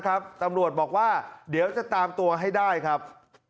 ตำรวจบอกว่าเดี๋ยวจะตามตัวให้ได้ครับ